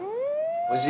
おいしい？